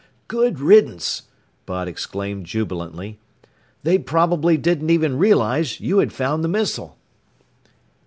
"Good riddance!" Bud exclaimed jubilantly. "They probably didn't even realize you had found the missile!"